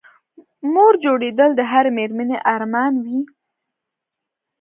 مور جوړېدل د هرې مېرمنې ارمان وي